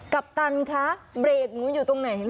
ปัปตันคะเบรกหนูอยู่ตรงไหน